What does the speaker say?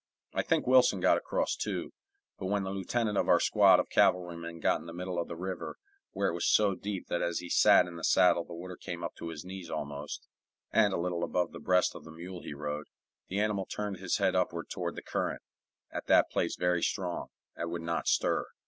I think Wilson got across, too; but when the lieutenant of our squad of cavalrymen got in the middle of the river, where it was so deep that as he sat in the saddle the water came up to his knees almost, and a little above the breast of the mule he rode, the animal turned his head upward toward the current, at that place very strong, and would not stir.